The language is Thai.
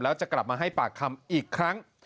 แล้วจะกลับมาให้ปากคำอีกครั้ง